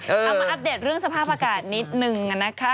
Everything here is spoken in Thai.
เอามาอัปเดตเรื่องสภาพอากาศนิดนึงนะคะ